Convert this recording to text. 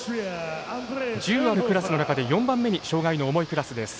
１０あるクラスの中で４番目に障がいの重いクラスです。